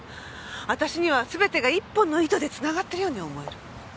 私には全てが１本の糸でつながってるように思える。